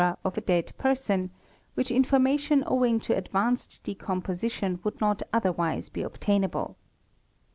of a dead person, — which information owing to advanced decomposition would not otherwise | be obtainable.